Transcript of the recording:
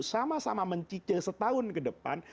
sama sama mencicil setahun ke depan